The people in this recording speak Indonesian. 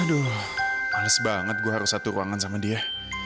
aduh halus banget gue harus satu ruangan sama dia